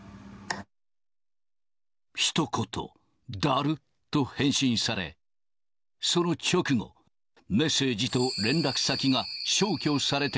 ひと言、だるっと返信され、その直後、メッセージと連絡先が消去されて